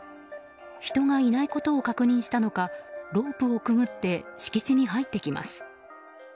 人がいないことを確認したのかロープをくぐって敷地に入ってきます。